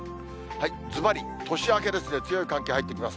ずばり年明けですね、強い寒気入ってきます。